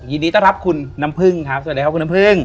ยินดีต้อนรับคุณน้ำพึ่งครับสวัสดีครับคุณน้ำพึ่ง